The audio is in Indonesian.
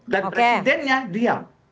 dan presidennya diam